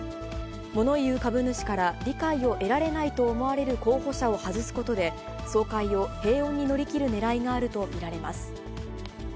もの言う株主から理解を得られないと思われる候補者を外すことで、総会を平穏に乗り切るねらいがあると見られます。